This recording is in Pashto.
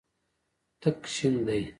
تک شین دی.